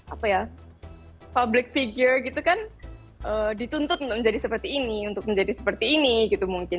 apa ya public figure gitu kan dituntut untuk menjadi seperti ini untuk menjadi seperti ini gitu mungkin